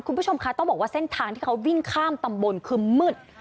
คุณผู้ชมคะต้องบอกว่าเส้นทางที่เขาวิ่งข้ามตำบลคือมืด